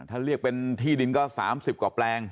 ถ้าเรียกเป็นที่ดินก็๓๐กว่าแปลง